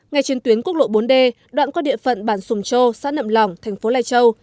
đây đoạn qua địa phận bản sùng châu xã nậm lòng thành phố lai châu